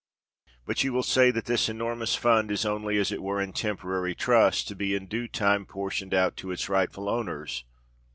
But you will say that this enormous fund is only as it were in temporary trust, to be in due time portioned out to its rightful owners.